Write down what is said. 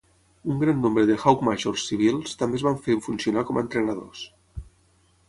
Un gran nombre de Hawk Majors civils també es van fer funcionar com entrenadors.